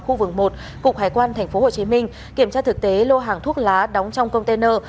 khu vực một cục hải quan tp hcm kiểm tra thực tế lô hàng thuốc lá đóng trong container